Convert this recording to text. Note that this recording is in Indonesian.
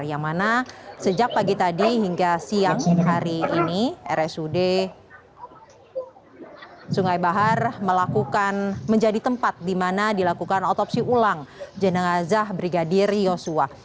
yang mana sejak pagi tadi hingga siang hari ini rsud sungai bahar melakukan menjadi tempat di mana dilakukan otopsi ulang jenazah brigadir yosua